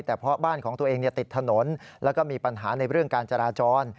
แต่เพราะบ้านของตัวเองติดถนนแล้วก็มีปัญหาในเรื่องการจราจร